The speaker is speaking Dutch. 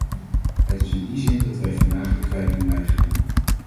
Het is in die zin dat wij vandaag de kwijting weigeren.